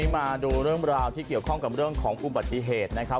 มาดูเรื่องราวที่เกี่ยวข้องกับเรื่องของอุบัติเหตุนะครับ